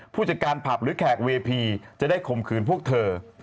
ผู้จัดการผับหรือแขกเวพีจะได้ข่มขืนพวกเธอ